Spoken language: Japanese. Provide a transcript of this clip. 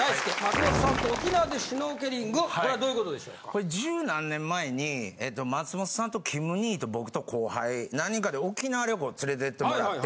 これ１０何年前に松本さんとキム兄と僕と後輩何人かで沖縄旅行連れてってもらって。